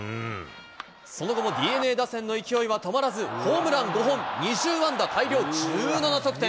その後もＤｅＮＡ打線の勢いは止まらず、ホームラン５本、２０安打大量１７得点。